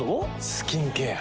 スキンケア。